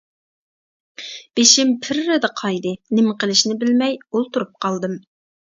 بېشىم پىررىدە قايدى، نېمە قىلىشنى بىلمەي ئولتۇرۇپ قالدىم.